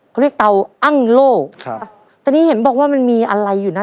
เขาเรียกเตาอ้างโล่ครับตอนนี้เห็นบอกว่ามันมีอะไรอยู่นะ